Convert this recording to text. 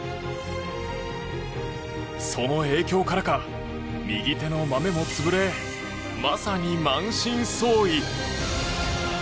その影響からか右手のマメも潰れまさに満身創痍。